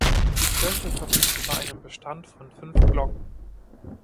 Die Kirche verfügt über einen Bestand von fünf Glocken.